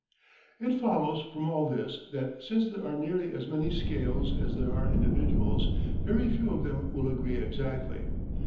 It follows from all this that, since there are nearly as many scales as there are individuals, very few of them will agree exactly.